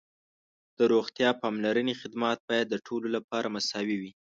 د روغتیا پاملرنې خدمات باید د ټولو لپاره مساوي وي.